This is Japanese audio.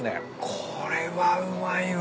これはうまいわ。